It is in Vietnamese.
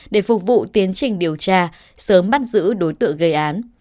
để phục vụ tiến trình điều tra sớm bắt giữ đối tượng gây án